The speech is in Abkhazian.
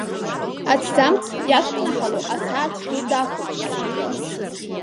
Аҭӡамц иадкнаҳалоу асааҭ ду дахәаԥшуеит.